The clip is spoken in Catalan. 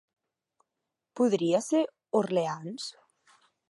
Podria ser Orleans?